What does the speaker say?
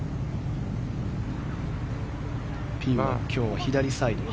ピンは今日は左サイド。